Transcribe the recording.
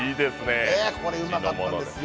これうまかったんですよ。